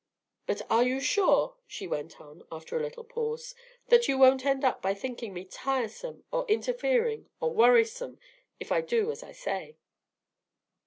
But are you sure," she went on, after a little pause, "that you won't end by thinking me tiresome or interfering or worrisome, if I do as I say?"